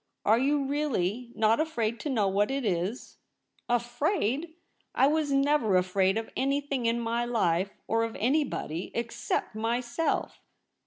Are you really not afraid to know what it is ?'* Afraid ! I was never afraid of anything in my life, or of anybody, except myself.